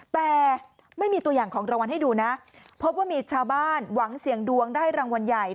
แต่ไม่มีตัวอย่างของรางวัลให้ดูนะพบว่ามีชาวบ้านหวังเสี่ยงดวงได้รางวัลใหญ่